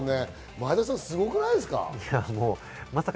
前田さん、すごくないですか？